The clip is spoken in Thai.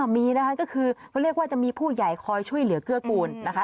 มีนะคะก็คือเขาเรียกว่าจะมีผู้ใหญ่คอยช่วยเหลือเกื้อกูลนะคะ